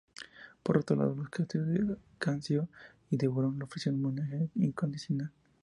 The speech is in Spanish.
Por otro lado, los castillos de Cancio y de Burón le ofrecieron homenaje incondicional.